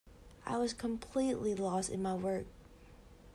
I was completely lost in my work.